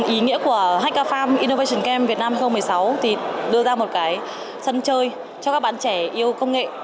ý nghĩa của hacc of fame innovation game việt nam hai nghìn một mươi sáu đưa ra một sân chơi cho các bạn trẻ yêu công nghệ